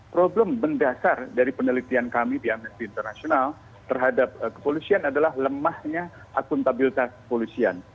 problem mendasar dari penelitian kami di amnesty international terhadap kepolisian adalah lemahnya akuntabilitas kepolisian